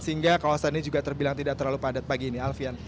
sehingga kawasan ini juga terbilang tidak terlalu padat pagi ini alfian